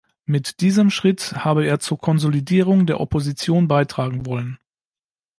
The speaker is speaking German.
Mit diesem Schritt habe er zur Konsolidierung der Opposition beitragen wollen.